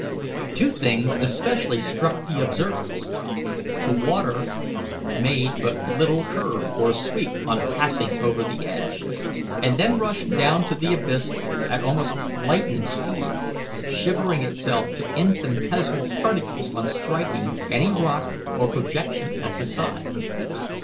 Two things especially struck the observers: the water made but little curve or sweep on passing over the edge, and then rushed down to the abyss at almost lightning speed, shivering itself to infinitesimal particles on striking any rock or projection at the side.